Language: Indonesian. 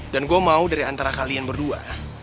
dan gue mau dari antara kalian berdua